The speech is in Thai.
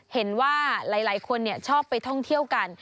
เห็นว่าหลายคนชอบไปท่องเที่ยวกัน